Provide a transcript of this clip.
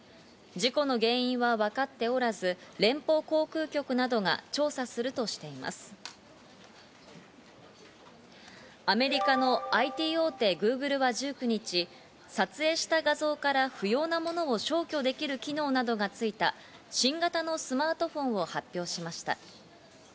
事故の原因は分かっておらず、連邦航空局などが調査するとしてアメリカのＩＴ大手Ｇｏｏｇｌｅは１９日、撮影した画像から不要なものを消去できる機能などがついた、新型のスマートフォンを発表しました。